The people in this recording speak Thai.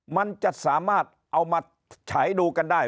มันจะสามารถเอามาฉายดูกันได้